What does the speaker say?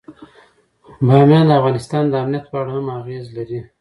بامیان د افغانستان د امنیت په اړه هم اغېز لري.